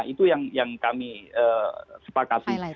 itu yang kami sepakasi